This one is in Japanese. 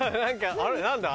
あれ何だ？